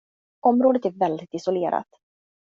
Området är väldigt isolerat.